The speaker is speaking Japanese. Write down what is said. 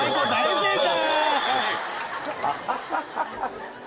正解！